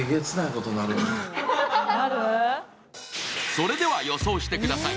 それでは予想してください。